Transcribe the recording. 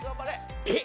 えっ。